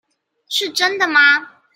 是真的嗎？